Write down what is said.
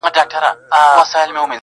په زرګونو یې تر خاورو کړله لاندي؛